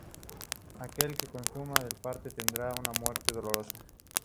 Aquel que consuma del pastel tendrá una muerte dolorosa.